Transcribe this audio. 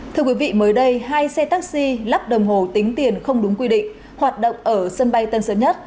thưa quý vị mới đây hai xe taxi lắp đồng hồ tính tiền không đúng quy định hoạt động ở sân bay tân sơn nhất